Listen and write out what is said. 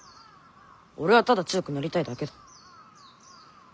俺はただ強くなりたいだけだ。